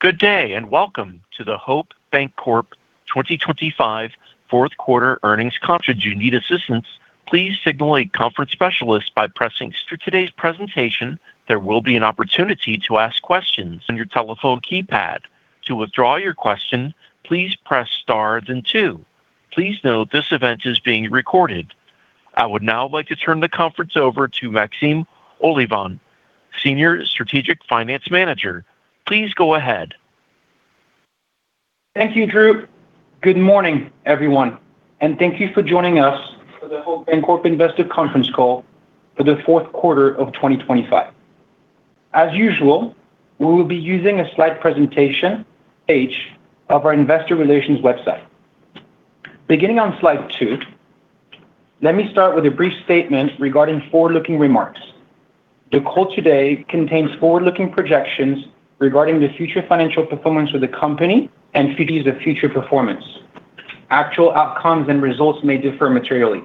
Good day, and welcome to the Hope Bancorp 2025 Fourth Quarter Earnings Conference. Should you need assistance, please signal a conference specialist by pressing... For today's presentation, there will be an opportunity to ask questions on your telephone keypad. To withdraw your question, please press star then two. Please note, this event is being recorded. I would now like to turn the conference over to Maxime Olivan, Senior Strategic Finance Manager. Please go ahead. Thank you, Drew. Good morning, everyone, and thank you for joining us for the Hope Bancorp Investor Conference call for the fourth quarter of 2025. As usual, we will be using a slide presentation available on our investor relations website. Beginning on slide two, let me start with a brief statement regarding forward-looking remarks. The call today contains forward-looking projections regarding the future financial performance of the company and previews of future performance. Actual outcomes and results may differ materially.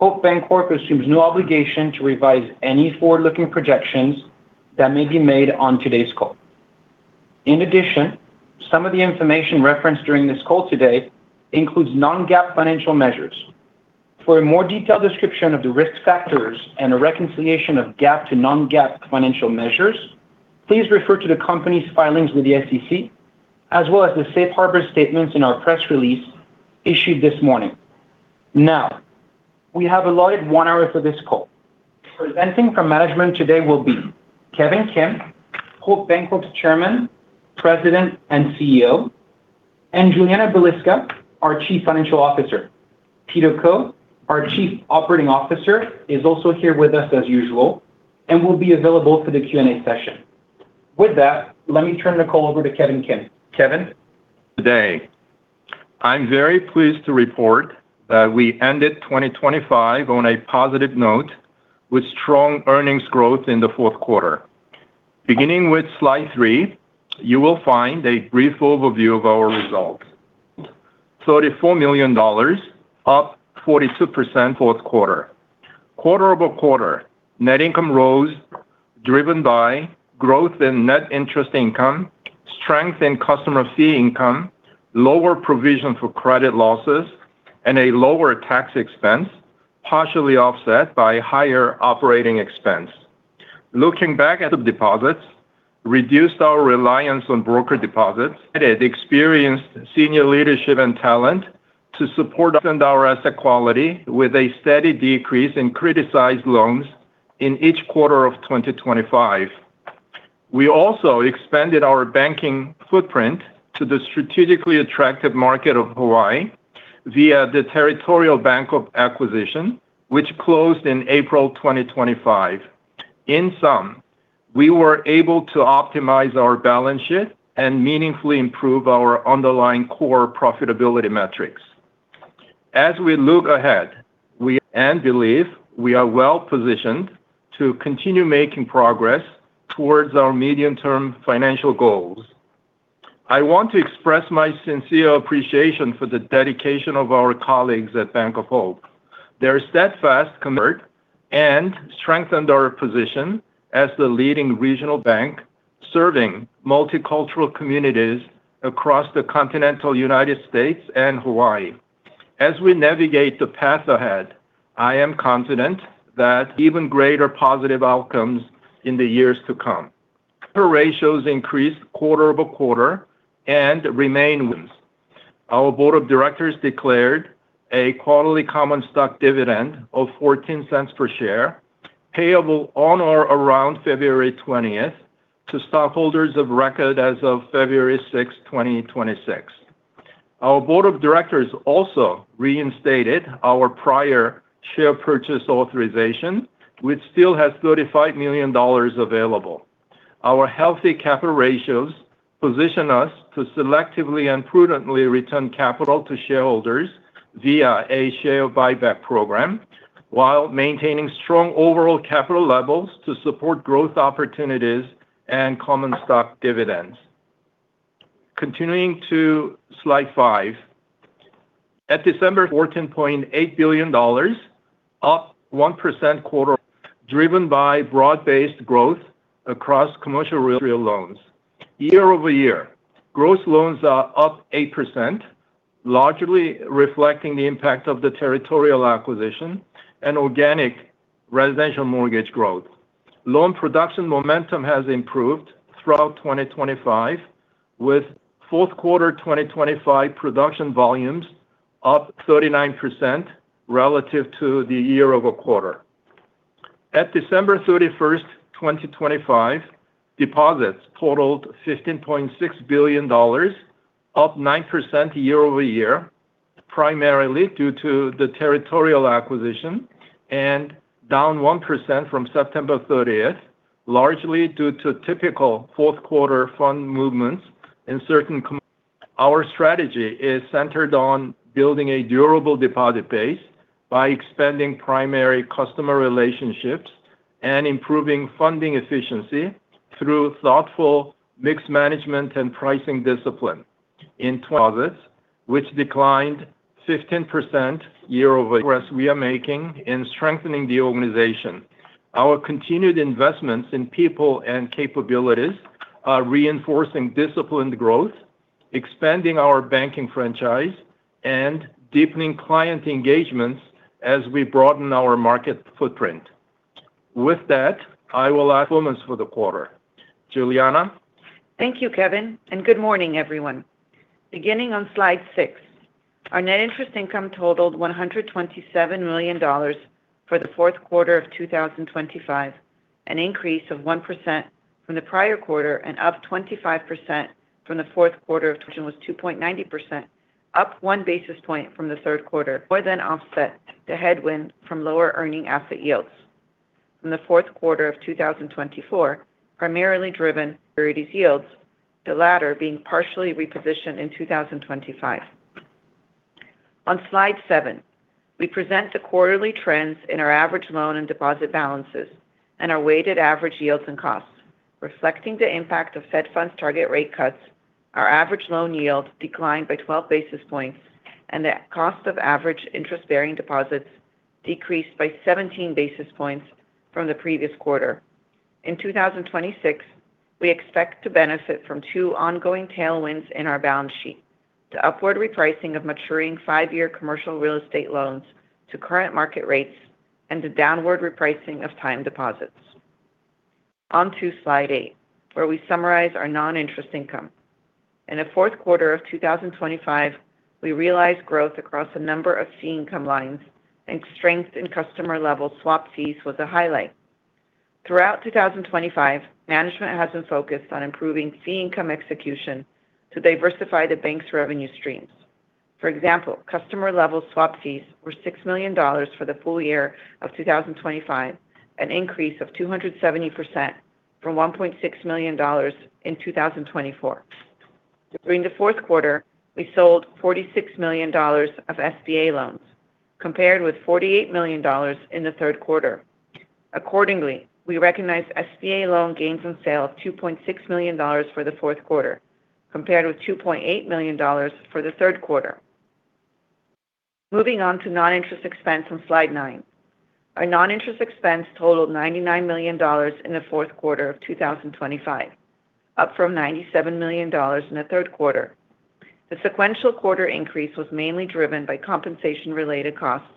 Hope Bancorp assumes no obligation to revise any forward-looking projections that may be made on today's call. In addition, some of the information referenced during this call today includes non-GAAP financial measures. For a more detailed description of the risk factors and a reconciliation of GAAP to non-GAAP financial measures, please refer to the company's filings with the SEC, as well as the safe harbor statements in our press release issued this morning. Now, we have allotted one hour for this call. Presenting from management today will be Kevin Kim, Hope Bancorp's Chairman, President, and CEO, and Julianna Balicka, our Chief Financial Officer. Peter Koh, our Chief Operating Officer, is also here with us as usual and will be available for the Q&A session. With that, let me turn the call over to Kevin Kim. Kevin? Today, I'm very pleased to report that we ended 2025 on a positive note with strong earnings growth in the fourth quarter. Beginning with slide three, you will find a brief overview of our results. $34 million, up 42% quarter-over-quarter, net income rose, driven by growth in net interest income, strength in customer fee income, lower provision for credit losses, and a lower tax expense, partially offset by higher operating expense. Looking back at the deposits, reduced our reliance on brokered deposits. Added experienced senior leadership and talent to support and our asset quality with a steady decrease in criticized loans in each quarter of 2025. We also expanded our banking footprint to the strategically attractive market of Hawaii via the Territorial Bancorp acquisition, which closed in April 2025. In sum, we were able to optimize our balance sheet and meaningfully improve our underlying core profitability metrics. As we look ahead, we do and believe we are well positioned to continue making progress towards our medium-term financial goals. I want to express my sincere appreciation for the dedication of our colleagues at Bank of Hope. Their steadfast commitment and strengthened our position as the leading regional bank, serving multicultural communities across the Continental United States and Hawaii. As we navigate the path ahead, I am confident that even greater positive outcomes in the years to come. Our ratios increased quarter-over-quarter and remain strong. Our board of directors declared a quarterly common stock dividend of $0.14 per share, payable on or around February 20th to stockholders of record as of February 6, 2026. Our board of directors also reinstated our prior share purchase authorization, which still has $35 million available. Our healthy capital ratios position us to selectively and prudently return capital to shareholders via a share buyback program while maintaining strong overall capital levels to support growth opportunities and common stock dividends. Continuing to slide five. At December, $14.8 billion, up 1% quarter, driven by broad-based growth across commercial real estate loans. Year-over-year, gross loans are up 8%, largely reflecting the impact of the Territorial acquisition and organic residential mortgage growth. Loan production momentum has improved throughout 2025, with fourth quarter 2025 production volumes up 39% relative to the year over quarter. At December 31st, 2025, deposits totaled $15.6 billion, up 9% year-over-year, primarily due to the Territorial acquisition and down 1% from September 30th, largely due to typical fourth quarter fund movements in certain communities. Our strategy is centered on building a durable deposit base by expanding primary customer relationships and improving funding efficiency through thoughtful mix management and pricing discipline in deposits, which declined 15% year-over-year. We are making investments in strengthening the organization. Our continued investments in people and capabilities are reinforcing disciplined growth, expanding our banking franchise, and deepening client engagements as we broaden our market footprint. With that, I will ask for the quarter. Julianna? Thank you, Kevin, and good morning, everyone. Beginning on slide six, our net interest income totaled $127 million for the fourth quarter of 2025, an increase of 1% from the prior quarter and up 25% from the fourth quarter of-- which was 2.90%, up 1 basis point from the third quarter, more than offset the headwind from lower earning asset yields. From the fourth quarter of 2024, primarily driven by yields, the latter being partially repositioned in 2025. On slide seven, we present the quarterly trends in our average loan and deposit balances and our weighted average yields and costs. Reflecting the impact of Fed funds target rate cuts, our average loan yield declined by 12 basis points, and the cost of average interest-bearing deposits decreased by 17 basis points from the previous quarter. In 2026, we expect to benefit from two ongoing tailwinds in our balance sheet: the upward repricing of maturing five-year commercial real estate loans to current market rates and the downward repricing of time deposits. On to slide eight, where we summarize our non-interest income. In the fourth quarter of 2025, we realized growth across a number of fee income lines, and strength in customer-level swap fees was a highlight. Throughout 2025, management has been focused on improving fee income execution to diversify the bank's revenue streams. For example, customer-level swap fees were $6 million for the full year of 2025, an increase of 270% from $1.6 million in 2024. During the fourth quarter, we sold $46 million of SBA loans, compared with $48 million in the third quarter. Accordingly, we recognized SBA loan gains on sale of $2.6 million for the fourth quarter, compared with $2.8 million for the third quarter. Moving on to non-interest expense on slide nine. Our non-interest expense totaled $99 million in the fourth quarter of 2025, up from $97 million in the third quarter. The sequential quarter increase was mainly driven by compensation-related costs,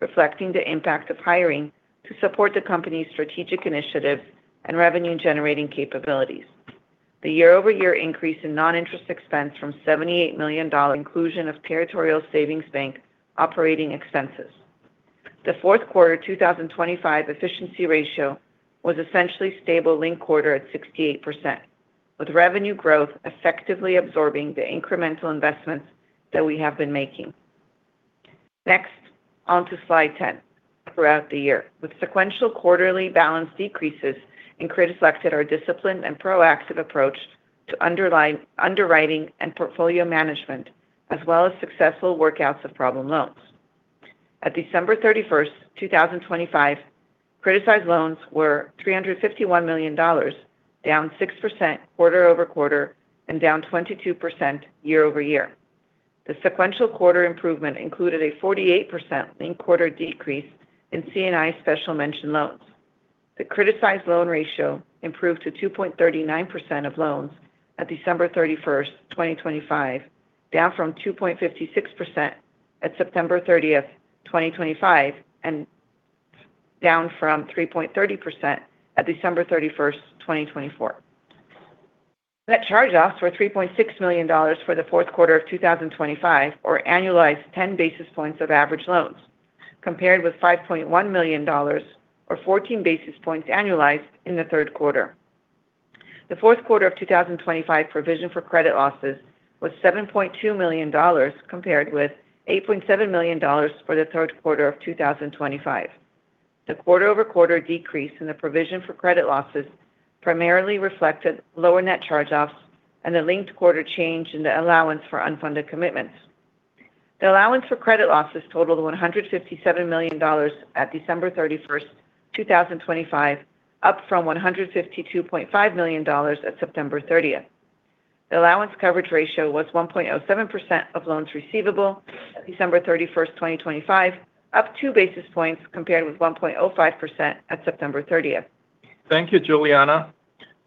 reflecting the impact of hiring to support the company's strategic initiatives and revenue-generating capabilities. The year-over-year increase in non-interest expense from $78 million, inclusion of Territorial Savings Bank operating expenses. The fourth quarter 2025 efficiency ratio was essentially stable linked-quarter at 68%, with revenue growth effectively absorbing the incremental investments that we have been making. Next, on to slide 10. Throughout the year, with sequential quarterly balance decreases in credit selected our disciplined and proactive approach to underwriting and portfolio management, as well as successful workouts of problem loans. At December 31st, 2025, criticized loans were $351 million, down 6% quarter-over-quarter and down 22% year-over-year. The sequential-quarter improvement included a 48% linked-quarter decrease in C&I special mention loans. The criticized loan ratio improved to 2.39% of loans at December 31st, 2025, down from 2.56% at September 30th, 2025, and down from 3.30% at December 31st, 2024. Net charge-offs were $3.6 million for the fourth quarter of 2025, or annualized 10 basis points of average loans, compared with $5.1 million, or 14 basis points annualized in the third quarter. The fourth quarter of 2025 provision for credit losses was $7.2 million, compared with $8.7 million for the third quarter of 2025. The quarter-over-quarter decrease in the provision for credit losses primarily reflected lower net charge-offs and a linked quarter change in the allowance for unfunded commitments. The allowance for credit losses totaled $157 million at December 31st, 2025, up from $152.5 million at September 30th. The allowance coverage ratio was 1.07% of loans receivable at December 31st, 2025, up 2 basis points, compared with 1.05% at September 30th. Thank you, Julianna.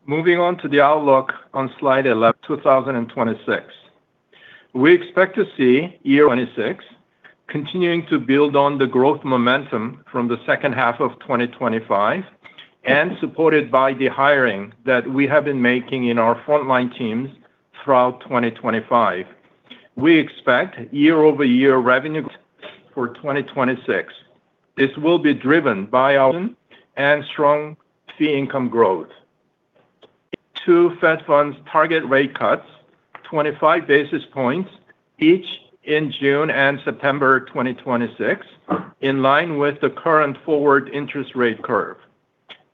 Moving on to the outlook on Slide 11, 2026. We expect to see year 2026 continuing to build on the growth momentum from the second half of 2025 and supported by the hiring that we have been making in our frontline teams throughout 2025. We expect year-over-year revenue for 2026. This will be driven by our strong fee income growth. Two Fed funds target rate cuts, 25 basis points each in June and September 2026, in line with the current forward interest rate curve.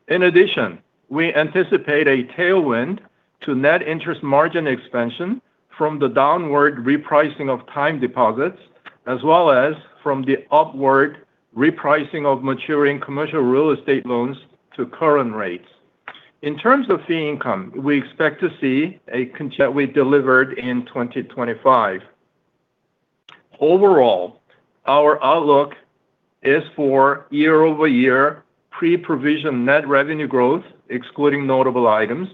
In addition, we anticipate a tailwind to net interest margin expansion from the downward repricing of time deposits, as well as from the upward repricing of maturing commercial real estate loans to current rates.... In terms of fee income, we expect to see a continuation that we delivered in 2025. Overall, our outlook is for year-over-year pre-provision net revenue growth, excluding notable items,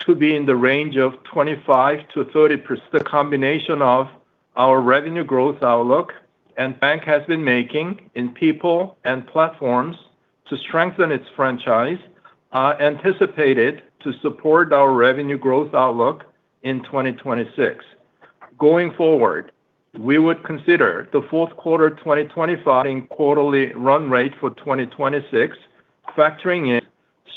to be in the range of 25%-30%. The combination of our revenue growth outlook and the investments the bank has been making in people and platforms to strengthen its franchise are anticipated to support our revenue growth outlook in 2026. Going forward, we would consider the fourth quarter 2025 quarterly run rate for 2026, factoring in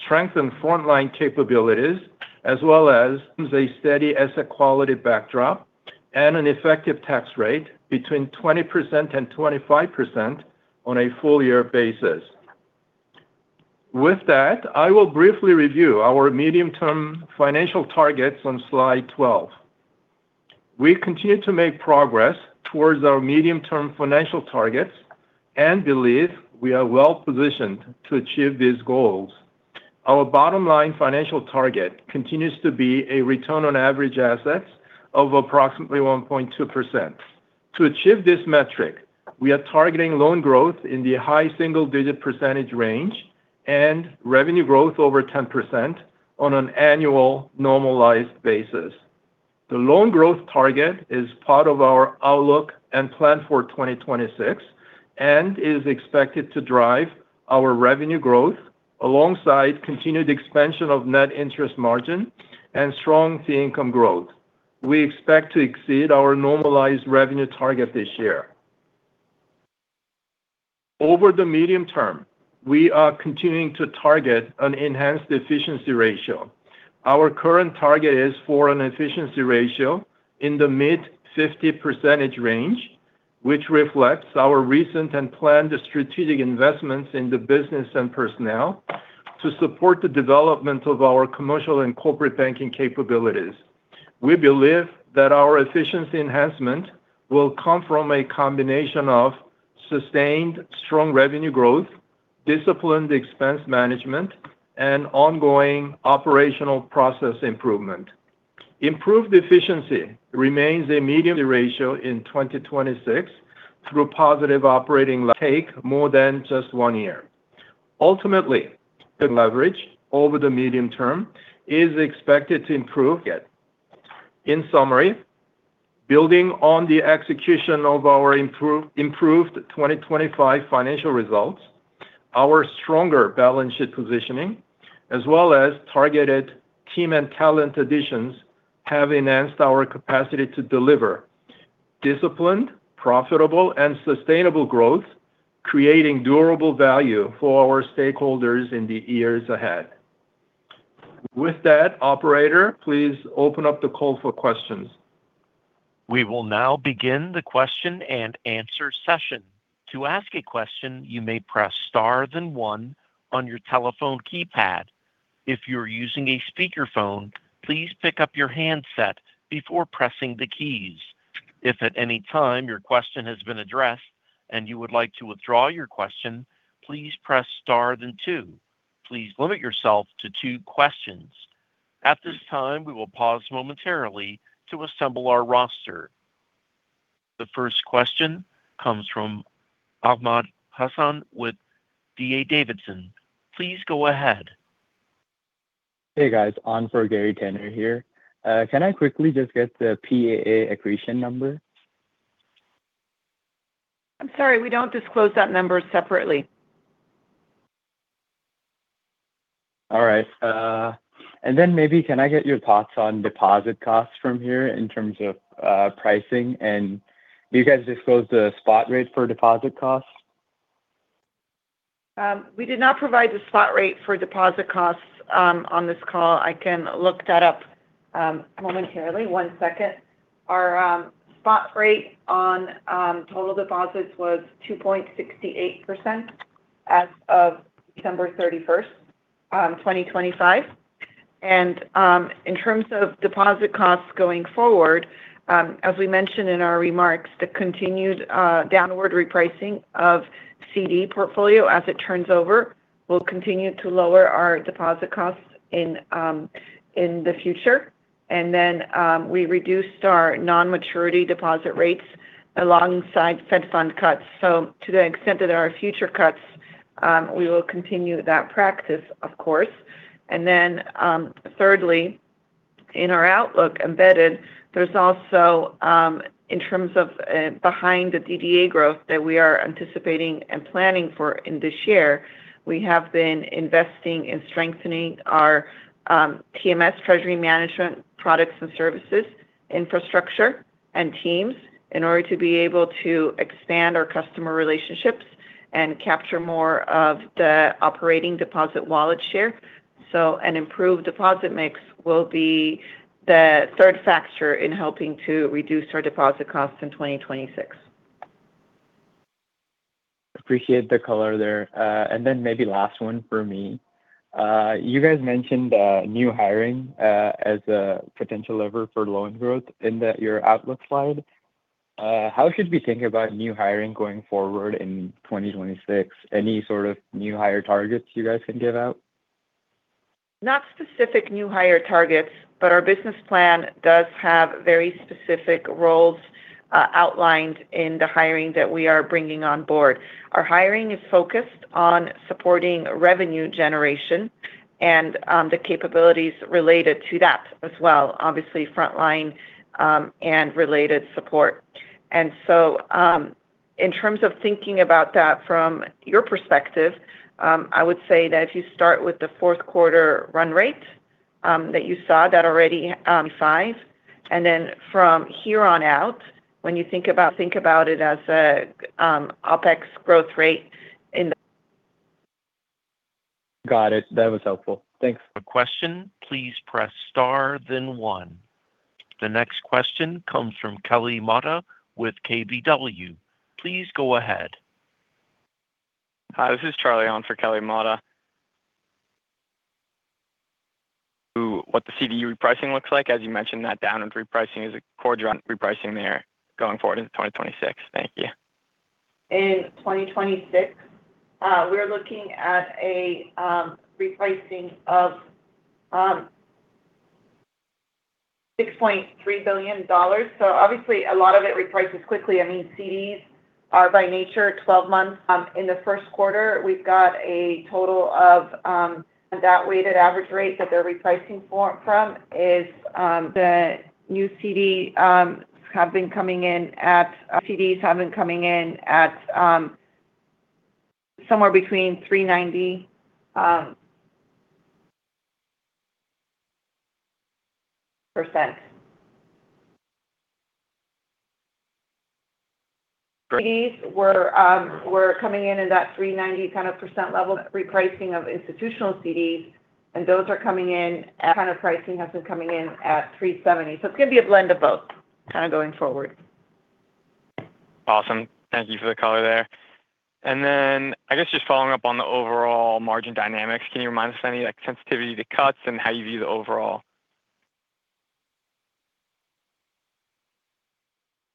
strength and frontline capabilities, as well as a steady asset quality backdrop and an effective tax rate between 20% and 25% on a full year basis. With that, I will briefly review our medium-term financial targets on slide 12. We continue to make progress towards our medium-term financial targets and believe we are well positioned to achieve these goals. Our bottom line financial target continues to be a return on average assets of approximately 1.2%. To achieve this metric, we are targeting loan growth in the high single-digit percentage range and revenue growth over 10% on an annual normalized basis. The loan growth target is part of our outlook and plan for 2026 and is expected to drive our revenue growth alongside continued expansion of net interest margin and strong fee income growth. We expect to exceed our normalized revenue target this year. Over the medium term, we are continuing to target an enhanced efficiency ratio. Our current target is for an efficiency ratio in the mid-50% range, which reflects our recent and planned strategic investments in the business and personnel to support the development of our commercial and corporate banking capabilities. We believe that our efficiency enhancement will come from a combination of sustained strong revenue growth, disciplined expense management, and ongoing operational process improvement. Improved efficiency remains a medium-term goal in 2026 through positive operating leverage will take more than just one year. Ultimately, the leverage over the medium term is expected to improve it. In summary, building on the execution of our improved 2025 financial results, our stronger balance sheet positioning, as well as targeted team and talent additions, have enhanced our capacity to deliver disciplined, profitable, and sustainable growth, creating durable value for our stakeholders in the years ahead. With that, operator, please open up the call for questions. We will now begin the question and answer session. To ask a question, you may press star, then one on your telephone keypad. If you're using a speakerphone, please pick up your handset before pressing the keys. If at any time your question has been addressed and you would like to withdraw your question, please press star, then two. Please limit yourself to two questions. At this time, we will pause momentarily to assemble our roster. The first question comes from Ahmad Hasan with D.A. Davidson. Please go ahead. Hey, guys. On for Gary Tenner here. Can I quickly just get the PAA accretion number? I'm sorry, we don't disclose that number separately. All right. And then maybe can I get your thoughts on deposit costs from here in terms of, pricing? And do you guys disclose the spot rates for deposit costs? We did not provide the spot rate for deposit costs on this call. I can look that up momentarily. One second. Our spot rate on total deposits was 2.68% as of December 31st, 2025. In terms of deposit costs going forward, as we mentioned in our remarks, the continued downward repricing of CD portfolio as it turns over, will continue to lower our deposit costs in the future. Then we reduced our non-maturity deposit rates alongside Fed funds cuts. So to the extent that there are future cuts, we will continue that practice, of course. And then, thirdly, in our outlook embedded, there's also, in terms of, behind the DDA growth that we are anticipating and planning for in this year, we have been investing in strengthening our TMS, Treasury Management Products and Services infrastructure and teams in order to be able to expand our customer relationships and capture more of the operating deposit wallet share. So an improved deposit mix will be the third factor in helping to reduce our deposit costs in 2026. Appreciate the color there. And then maybe last one for me. You guys mentioned new hiring as a potential lever for loan growth in your outlook slide. How should we think about new hiring going forward in 2026? Any sort of new hire targets you guys can give out? Not specific new hire targets, but our business plan does have very specific roles outlined in the hiring that we are bringing on board. Our hiring is focused on supporting revenue generation and the capabilities related to that as well, obviously, frontline and related support. So, in terms of thinking about that from your perspective, I would say that if you start with the fourth quarter run rate that you saw that already, five, and then from here on out, when you think about it as a OpEx growth rate in the- Got it. That was helpful. Thanks. A question, please press star then one. The next question comes from Kelly Motta with KBW. Please go ahead. Hi, this is Charlie on for Kelly Motta. What the CD repricing looks like, as you mentioned, that downward repricing is a core repricing there going forward in 2026. Thank you. In 2026, we're looking at a repricing of $6.3 billion. So obviously a lot of it reprices quickly. I mean, CDs are by nature 12 months. In the first quarter, we've got a total of that weighted average rate that they're repricing from is the new CDs have been coming in at somewhere between 3.90%. CDs were coming in at that 3.90% kind of percent level, repricing of institutional CDs, and those are coming in at 3.70%. So it's going to be a blend of both kind of going forward. Awesome. Thank you for the color there. And then I guess just following up on the overall margin dynamics, can you remind us any, like, sensitivity to cuts and how you view the overall?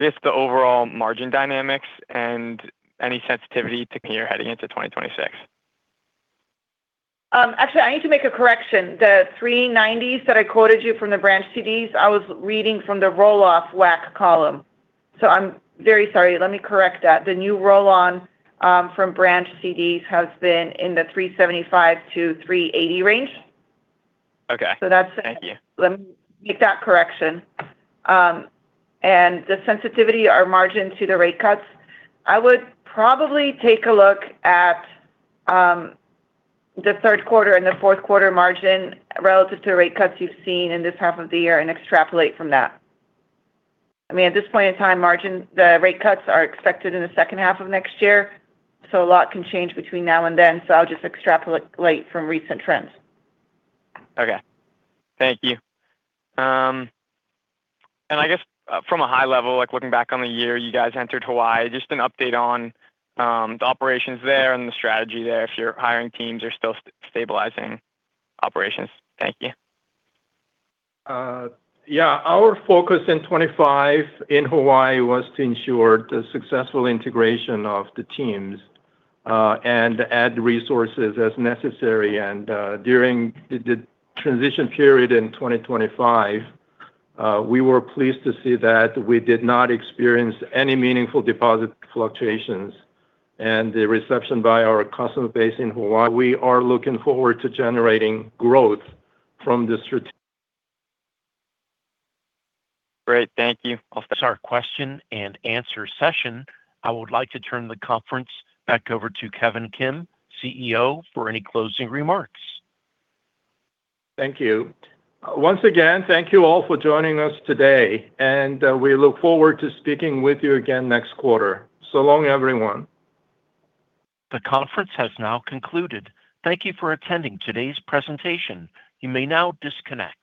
Just the overall margin dynamics and any sensitivity to when you're heading into 2026. Actually, I need to make a correction. The 3.90s that I quoted you from the branch CDs, I was reading from the roll-off WAC column. So I'm very sorry. Let me correct that. The new roll-on from branch CDs has been in the 3.75-3.80 range. Okay. So that's- Thank you. Let me make that correction. The sensitivity, our margin to the rate cuts, I would probably take a look at, the third quarter and the fourth quarter margin relative to the rate cuts you've seen in this half of the year and extrapolate from that. I mean, at this point in time, margin, the rate cuts are expected in the second half of next year, so a lot can change between now and then, so I'll just extrapolate from recent trends. Okay. Thank you. And I guess from a high level, like looking back on the year you guys entered Hawaii, just an update on the operations there and the strategy there if your hiring teams are still stabilizing operations. Thank you. Yeah, our focus in 2025 in Hawaii was to ensure the successful integration of the teams and add resources as necessary. During the transition period in 2025, we were pleased to see that we did not experience any meaningful deposit fluctuations and the reception by our customer base in Hawaii. We are looking forward to generating growth from this strategy. Great. Thank you. That's our question and answer session. I would like to turn the conference back over to Kevin Kim, CEO, for any closing remarks. Thank you. Once again, thank you all for joining us today, and we look forward to speaking with you again next quarter. So long, everyone. The conference has now concluded. Thank you for attending today's presentation. You may now disconnect.